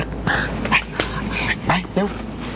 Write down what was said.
ไปไปเร็ว